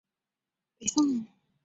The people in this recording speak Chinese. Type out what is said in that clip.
另外寺内还有北宋经幢一座。